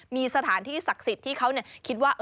มีสถานที่ศักดิ์สิทธิ์ที่เขาคิดว่า